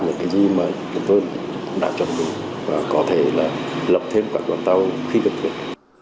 những cái gì mà chúng tôi đã chọn đúng và có thể là lập thêm các con tàu khi cần thuộc